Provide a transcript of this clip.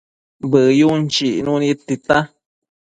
Bëyun chicnu nid tita